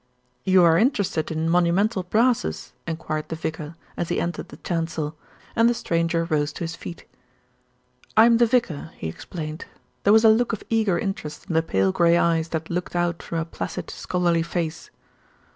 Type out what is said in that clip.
"You are interested in monumental brasses?" enquired the vicar, as he entered the chancel, and the stranger rose to his feet. "I am the vicar," he explained. There was a look of eager interest in the pale grey eyes that looked out from a placid, scholarly face.